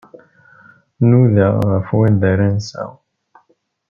Nudaɣ ɣef wanda ara nseɣ.